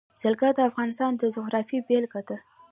جلګه د افغانستان د جغرافیې بېلګه ده.